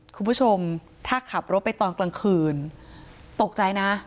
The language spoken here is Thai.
คุณผู้ชมถ้าขับรถไปตอนกลางคืนตกใจนะ